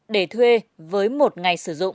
để thuê với một ngày sử dụng